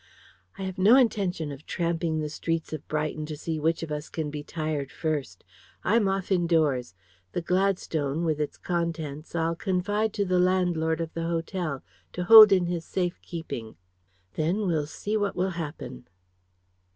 "I have no intention of tramping the streets of Brighton to see which of us can be tired first. I'm off indoors. The Gladstone, with its contents, I'll confide to the landlord of the hotel, to hold in his safe keeping. Then we'll see what will happen."